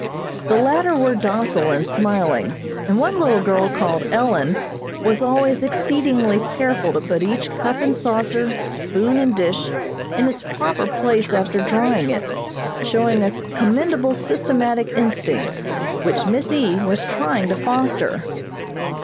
The latter were docile and smiling, and one little girl called Ellen was always exceedingly careful to put each cup and saucer, spoon and dish in its proper place after drying it, showing a commendable systematic instinct, which Miss E. was trying to foster.